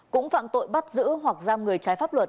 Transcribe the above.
cũng phạm tội bắt giữ hoặc giam người trái pháp luật